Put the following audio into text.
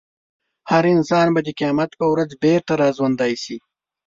هر انسان به د قیامت په ورځ بېرته راژوندی شي.